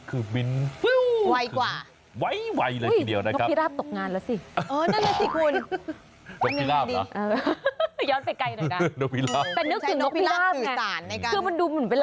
คือมันดูเหมือนเป็นหลักการเดียวกัน